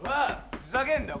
ふざけんなよ！